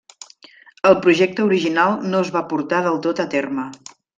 El projecte original no es va portar del tot a terme.